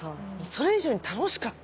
それ以上に楽しかったもん。